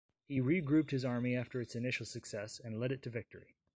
He regrouped his army after its initial success, and led it to victory.